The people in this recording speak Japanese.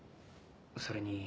それに。